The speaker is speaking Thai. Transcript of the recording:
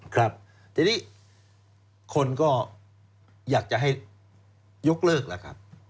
ครับทีนี้คนก็อยากจะให้ยกเลิกแล้วครับ